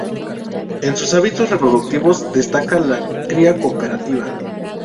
En sus hábitos reproductivos destaca la cría cooperativa.